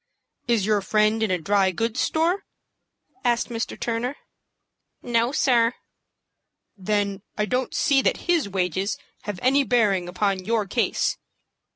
"Is your friend in a dry goods store?" asked Mr. Turner. "No, sir." "Then I don't see that his wages have any bearing upon your case.